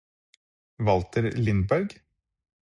Walter Lindberg